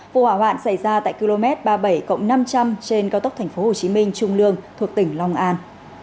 vụ hỏa hoạn xảy ra tại km ba mươi bảy năm trăm linh trên cao tốc tp hcm trung lương thuộc tỉnh long an